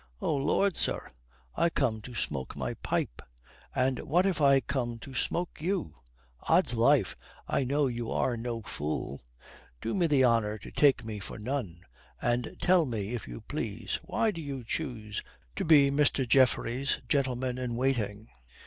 Oh Lord, sir, I come to smoke my pipe!" "And what if I come to smoke you? Odds life, I know you are no fool. Do me the honour to take me for none. And tell me, if you please, why do you choose to be Master Geoffrey's gentleman in waiting?